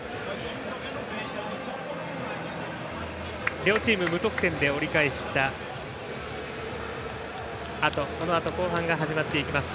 両チーム無得点で折り返したあとこのあと後半が始まります。